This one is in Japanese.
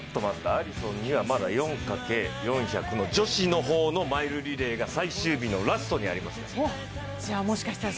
アリソンには４×４００ｍの女子の方のマイルリレーが最終日のラストにありますから。